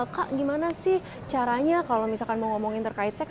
kak gimana sih caranya kalau misalkan mau ngomongin terkait seks